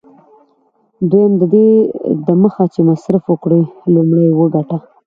دوهم: ددې دمخه چي مصرف وکړې، لومړی یې وګټه.